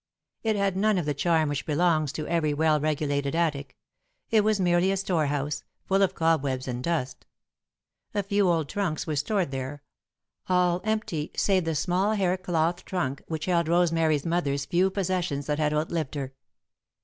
It had none of the charm which belongs to every well regulated attic; it was merely a storehouse, full of cobwebs and dust. A few old trunks were stored there, all empty save the small hair cloth trunk which held Rosemary's mother's few possessions that had outlived her.